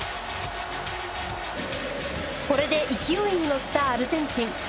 これで勢いに乗ったアルゼンチン。